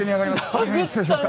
大変失礼しました。